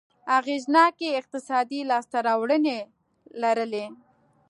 اغېزناکې اقتصادي لاسته راوړنې لرلې.